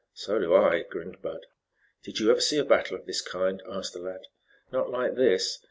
"So do I," grinned Bud. "Did you ever see a battle of this kind?" asked the lad. "Not like this.